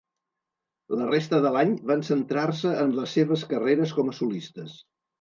La resta de l'any van centrar-se en les seves carreres com a solistes.